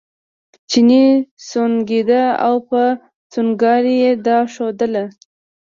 چیني سونګېده او په سونګاري یې دا ښودله.